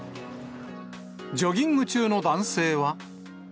ジョギング中の男性は。